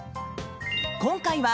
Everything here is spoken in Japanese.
今回は。